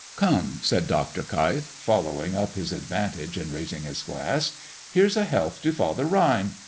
"Come!" said Dr. Keif, following up his advantage, and raising his glass, "'Here's a health to Father Rhine!'